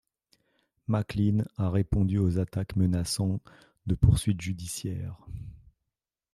MacLean a répondu aux attaques menaçant de poursuites judiciaires.